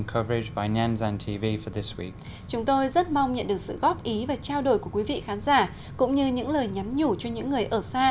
con sẽ về sớm thôi